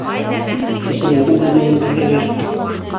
Әсәйеңдең бүлмәһен беҙгә бир.